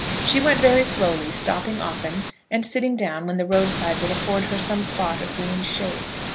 She went very slowly, stopping often and sitting down when the road side would afford her some spot of green shade.